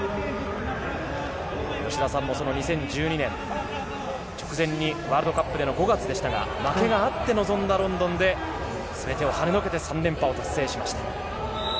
吉田さんも２０１２年、直前にワールドカップでの５月でしたが、負けがあって臨んだロンドンですべてを跳ね除けて３連覇を達成しました。